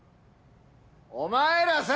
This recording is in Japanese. お前らさ！